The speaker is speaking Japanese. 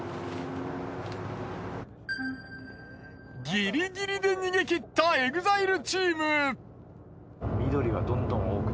ギリギリで逃げ切ったＥＸＩＬＥチーム。